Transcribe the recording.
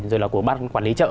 rồi là của bác quản lý chợ